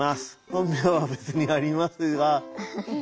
本名は別にありますが。